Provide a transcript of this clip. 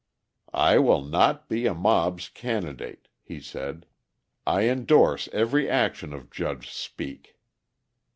"I will not be a mob's candidate," he said. "I indorse every action of Judge Speake."